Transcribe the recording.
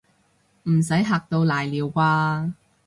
唔使嚇到瀨尿啩